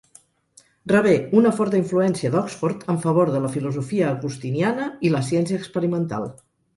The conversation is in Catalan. Rebé una forta influència d'Oxford en favor de la filosofia agustiniana i la ciència experimental.